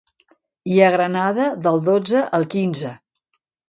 I a Granada del dotze al quinze.